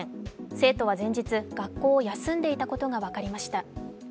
生徒は前日、学校を休んでいたことが分かりました。